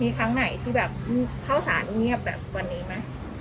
มีครั้งไหนที่แบบเข้าสารเงียบแบบวันนี้ไหม